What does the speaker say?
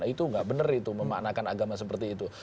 nah itu nggak bener itu memaknakan agama seperti itu